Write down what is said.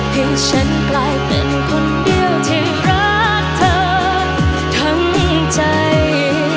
ให้ฉันกลายเป็นคนเดียวที่รักเธอทั้งใจ